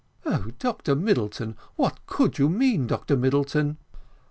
"Oh, Dr Middleton! what could you mean, Dr Middleton?"